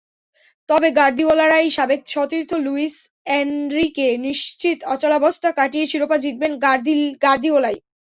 তবে গার্দিওলারই সাবেক সতীর্থ লুইস এনরিকে নিশ্চিত, অচলাবস্থা কাটিয়ে শিরোপা জিতবেন গার্দিওলাই।